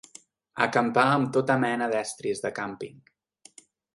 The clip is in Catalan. Acampar amb tota mena d'estris de càmping.